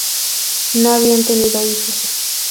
No habían tenido hijos.